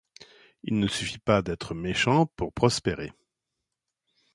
Il ne suffit pas d’être méchant pour prospérer.